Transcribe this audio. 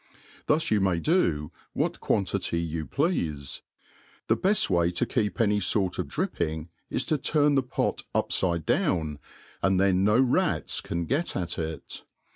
Thus yoU may do what quanti^ty you pleafe. The beft way to keep any fort of dripping is to turn the pot upHde down, and then no rats can get at it.